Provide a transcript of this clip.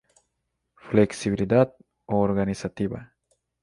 Flexibilidad organizativa.